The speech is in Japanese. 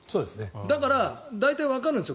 だから大体わかるんですよ